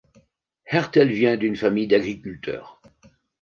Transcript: Hertel vient d'une famille d'agriculteurs.